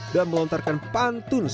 dan melontarkan pantun satu sama lain